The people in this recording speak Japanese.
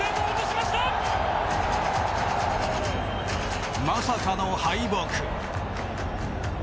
まさかの敗北。